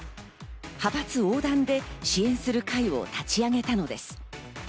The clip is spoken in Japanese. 派閥横断で支援する会を立ち上げたのです。